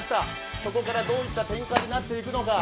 そこからどういった展開になっていくのか。